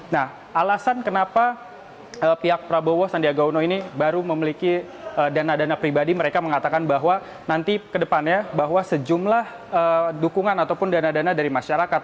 nah alasan kenapa pihak prabowo sandiaga uno ini baru memiliki dana dana pribadi mereka mengatakan bahwa nanti kedepannya bahwa sejumlah dukungan ataupun dana dana dari masyarakat